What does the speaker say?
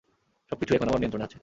সবকিছুই এখন আমার নিয়ন্ত্রণে আছে।